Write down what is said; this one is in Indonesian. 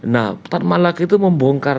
nah tan malak itu membongkar